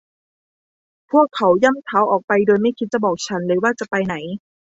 พวกเขาย่ำเท้าออกไปโดยไม่คิดจะบอกฉันเลยว่าจะไปไหน